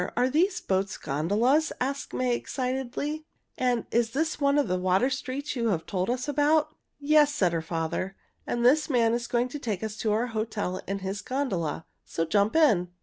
Are these boats gondolas?" asked Molly excitedly. "And is this one of the water streets you have told us about?" "Yes," said her father, "and this man is going to take us to our hotel in his gondola. So jump in!"